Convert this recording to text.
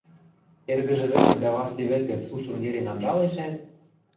Эргӹжӹ вӹкӹ дӓ Васли вӹкӹ сусун йӹрен анжалешӓт: